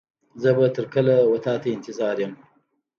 زه به تر کله و تا ته انتظار يم.